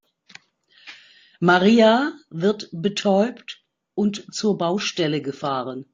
Maria wird betäubt und zur Baustelle gefahren.